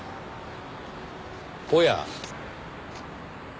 おや。